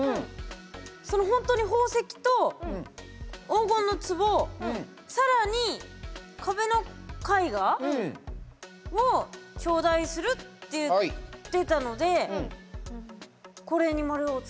その本当に「宝石と黄金の壺さらに壁の絵画も頂戴する！」って言ってたのでこれに丸をつけました。